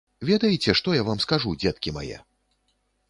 Ведаеце, што я вам скажу, дзеткі мае?